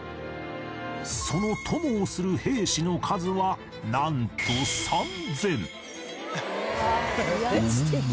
その供をする兵士の数はなんと３０００